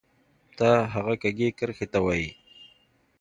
تا هغه کږې کرښې ته وایې